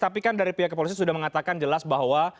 tapi kan dari pihak kepolisian sudah mengatakan jelas bahwa